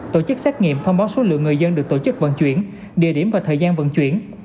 tổ chức xét nghiệm thông báo số lượng người dân được tổ chức vận chuyển địa điểm và thời gian vận chuyển